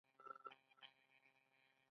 کورونه له خټو او تیږو وو